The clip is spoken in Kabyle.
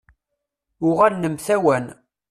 Uɣalen mtawan.